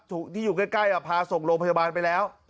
ที่อยู่ใกล้พาส่งโรงพยาบาลไปแล้ว